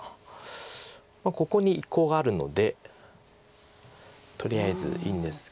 ここにコウがあるのでとりあえずいいんですが。